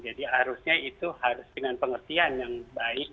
jadi harusnya itu harus dengan pengertian yang baik